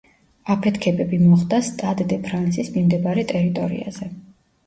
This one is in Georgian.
აფეთქებები მოხდა სტად დე ფრანსის მიმდებარე ტერიტორიაზე.